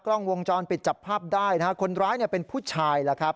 กล้องวงจรปิดจับภาพได้นะฮะคนร้ายเนี่ยเป็นผู้ชายแล้วครับ